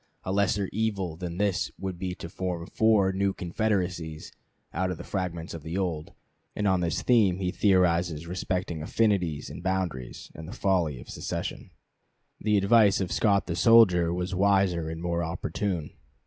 A lesser evil than this would be to form four new confederacies out of the fragments of the old. And on this theme he theorizes respecting affinities and boundaries and the folly of secession. "Mr. Buchanan's Administration," Appendix, p. 289. The advice of Scott the soldier was wiser and more opportune.